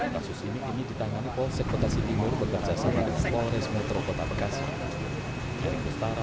kasus ini ditangani polsek kota timur berkerjasama dengan flores mutro kota bekasi